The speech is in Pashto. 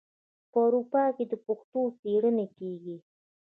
په اروپا کې د پښتو څیړنې کیږي.